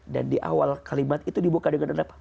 dan di awal kalimat itu dibuka dengan apa